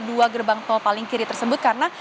dua gerbang tol paling kiri tersebut karena